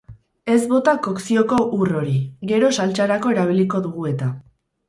Ez bota kokzioko ur hori, gero saltsarako erabiliko dugu eta.